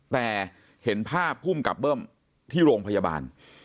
แต่เห็นภาพภูมิกับเบิ้มที่โรงพยาบาล